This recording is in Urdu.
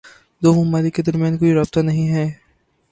دو ممالک کے درمیان کوئی رابطہ نہیں ہے